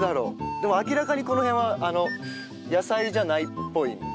でも明らかにこの辺は野菜じゃないっぽいんで。